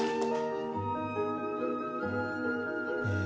え